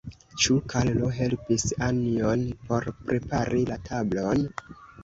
Ĉu Karlo helpis Anjon por prepari la tablon?